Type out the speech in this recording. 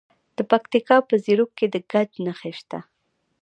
د پکتیکا په زیروک کې د ګچ نښې شته.